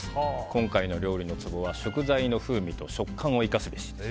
今回の料理のツボは食材の風味と食感を活かすべし。